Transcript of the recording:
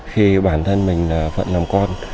khi bản thân mình là phận làm con